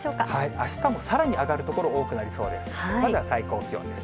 あしたもさらに上がる所多くなりそうです。